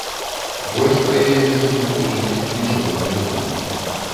Больш пра яе месцазнаходжанне нічога не вядома.